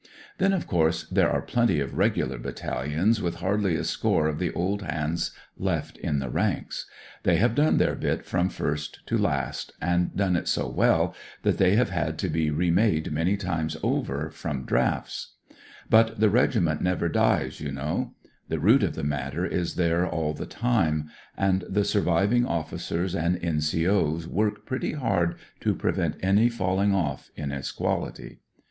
"Then, of course, there are plenty of Regular battalions with hardly a score of the old hands left in the ranks. They have done theiir bit from first to last, and done it so well that they have had to be remade many times over from drafts. But the Regiment never dies, you know. The root of the matter is there all the ' If !!■ i U (■i I i it ,4 :i 106 " WE DON'T COUNT WOUNDS »' time, and the surviving officers and N.C.O.*s work pretty hard to prevent any falling off in its quality.